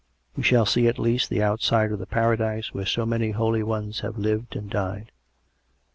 We shall see, at least, the outside of the Paradise where so many holy ones have lived and died.